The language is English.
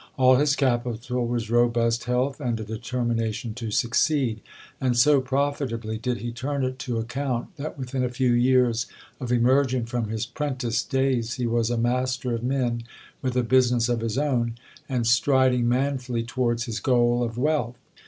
All his capital was robust health and a determination to succeed; and so profitably did he turn it to account that within a few years of emerging from his 'prentice days he was a master of men, with a business of his own, and striding manfully towards his goal of wealth.